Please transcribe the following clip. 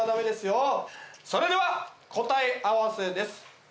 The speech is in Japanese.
それでは答え合わせです。